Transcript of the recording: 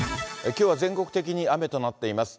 きょうは全国的に雨となっています。